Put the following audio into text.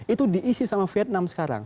itu diisi sama vietnam sekarang